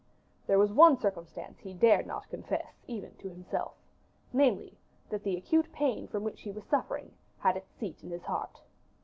There was one circumstance he dared not confess, even to himself; namely, that the acute pain from which he was suffering had its seat in his heart.